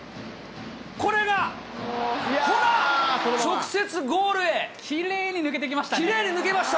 これが、ほら、直接ゴールへ、きれいに抜けましたね。